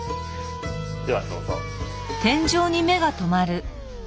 ではどうぞ。